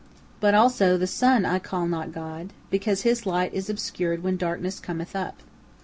But also the sun I call not god, because his light is obscured when darkness cometh up.